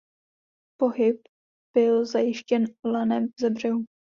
Pohyb byl zajištěn lanem ze břehu.